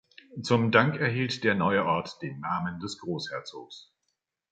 Zum Dank erhielt der neue Ort den Namen des Großherzogs.